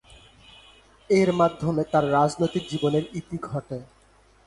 এর মাধ্যমে তার রাজনৈতিক জীবনের ইতি ঘটে।